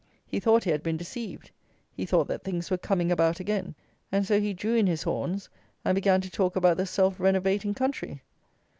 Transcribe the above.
He thought he had been deceived: he thought that things were coming about again; and so he drew in his horns, and began to talk about the self renovating country.